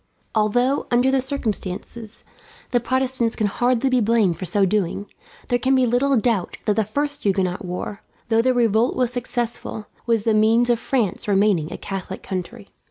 Although, under the circumstances, the Protestants can hardly be blamed for so doing, there can be little doubt that the first Huguenot war, though the revolt was successful, was the means of France remaining a Catholic country.